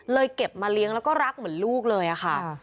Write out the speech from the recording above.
เก็บมาเลี้ยงแล้วก็รักเหมือนลูกเลยค่ะ